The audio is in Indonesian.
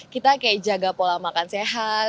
kita kayak jaga pola makan sehat